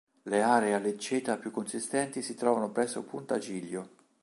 Le aree a lecceta più consistenti si trovano presso punta Giglio.